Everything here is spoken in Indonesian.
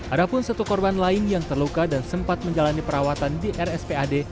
ada pun satu korban lain yang terluka dan sempat menjalani perawatan di rspad